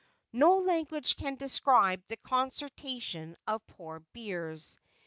No language can describe the consternation of poor Beers.